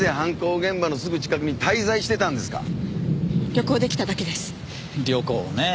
旅行ねえ。